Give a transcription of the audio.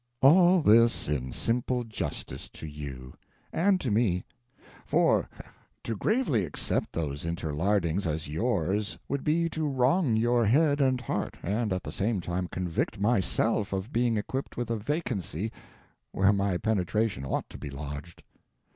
] All this in simple justice to you and to me; for, to gravely accept those interlardings as yours would be to wrong your head and heart, and at the same time convict myself of being equipped with a vacancy where my penetration ought to be lodged.